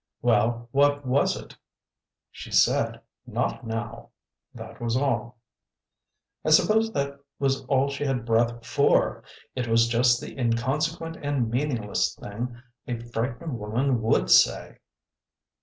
"Well, what was it?" "She said, 'Not now!' That was all." "I suppose that was all she had breath for! It was just the inconsequent and meaningless thing a frightened woman WOULD say!"